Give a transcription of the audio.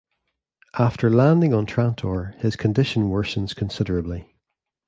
After landing on Trantor his condition worsens considerably.